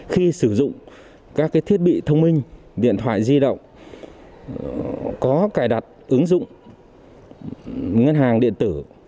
khi sử dụng các thiết bị thông minh điện thoại di động có cài đặt ứng dụng ngân hàng điện tử